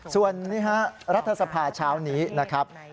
ส่วนนี้ฮะรัฐสภาษณ์เช้านี้นะครับ